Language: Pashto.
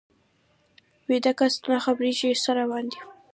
ویده کس نه خبریږي څه روان دي